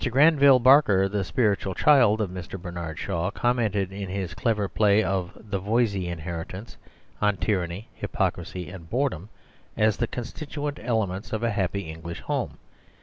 Granville Barker, the spiritual child of Mr. Bernard Shaw, commented in his clever play of "The Voysey Inheritance" on tyranny, hypocrisy and boredom, as the constituent elements of a "happy English home."